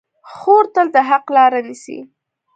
خور تل د حق لاره نیسي.